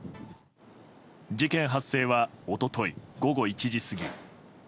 事件発生は一昨日、午後１時過ぎ。